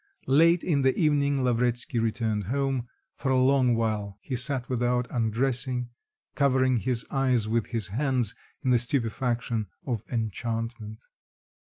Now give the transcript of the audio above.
Late in the evening Lavretsky returned home; for a long while he sat without undressing, covering his eyes with his hands in the stupefaction of enchantment.